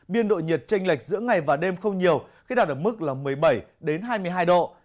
biên độ nhiệt tranh lệch giữa ngày và đêm không nhiều khi đạt ở mức một mươi bảy hai mươi hai độ